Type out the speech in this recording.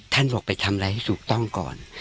บอกไปทำอะไรให้ถูกต้องก่อน